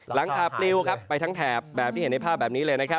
หลังคาปลิวไปทั้งแถบแบบที่เห็นในภาพแบบนี้เลย